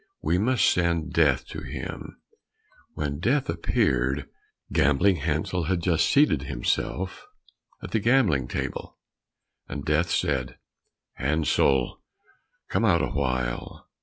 We must send Death to him." When Death appeared, Gambling Hansel had just seated himself at the gaming table, and Death said, "Hansel, come out a while."